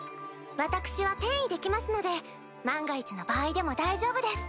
私は転移できますので万が一の場合でも大丈夫です。